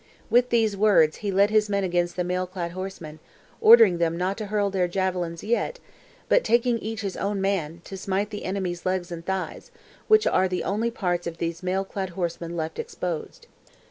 With these words, he led his men against the mail clad horse men, ordering them not to hurl their javelins yet, but taking each his own man, to smite the enemy's legs and thighs, which are the only parts of these mail clad horsemen left exposed.